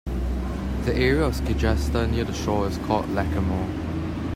The area of Skigersta near the shore is called 'Lachamore'.